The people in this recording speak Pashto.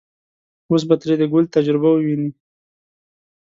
اوس به ترې د ګل تجربه وويني.